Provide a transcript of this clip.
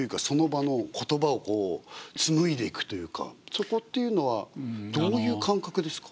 そこっていうのはどういう感覚ですか？